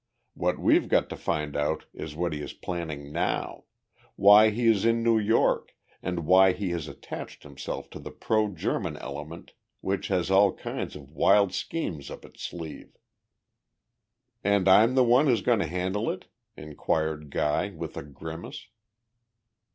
What we've got to find out is what he is planning now why he is in New York and why he has attached himself to the pro German element which has all kinds of wild schemes up its sleeve." "And I'm the one who's got to handle it?" inquired Guy, with a grimace.